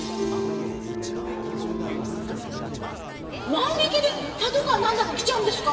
万引きでパトカー何台も来ちゃうんですか？